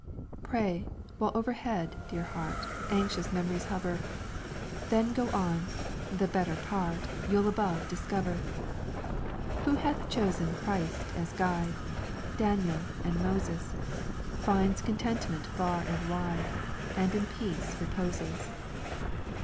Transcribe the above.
"Pray, while overhead, dear heart, Anxious mem'ries hover; Then go on: the better part You'll above discover. Who hath chosen Christ as guide, Daniel and Moses, Finds contentment far and wide, And in peace reposes."